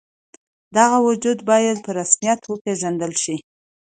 د هغه وجود باید په رسمیت وپېژندل شي.